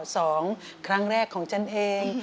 สองครั้งแรกของฉันเอง